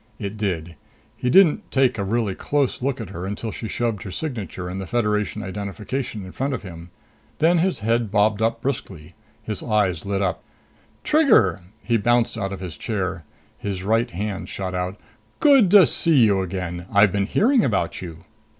It did. He didn't take a really close look at her until she shoved her signature and Federation identification in front of him. Then his head bobbed up briskly. His eyes lit up. "Trigger!" He bounced out of his chair. His right hand shot out. "Good to see you again! I've been hearing about you."